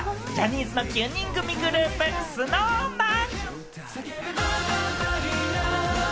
ジャニーズの９人組グループ、ＳｎｏｗＭａｎ。